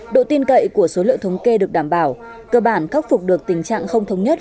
độ tin cậy của số liệu thống kê được đảm bảo cơ bản khắc phục được tình trạng không thống nhất